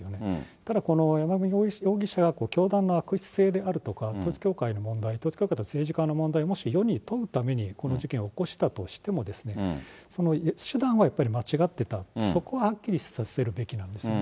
ただ、この山上容疑者が教団の悪質性であるとか、統一教会の問題、統一教会と政治家の問題をもし世に問うためにこの事件を起こしたとしても、その手段はやっぱり間違っていた、そこはやっぱりはっきりさせるべきなんですね。